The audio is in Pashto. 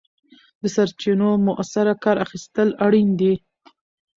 د سرچینو مؤثره کار اخیستل اړین دي.